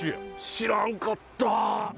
知らんかった。